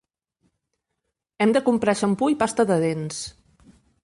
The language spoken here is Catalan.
Hem de comprar xampú i pasta de dents.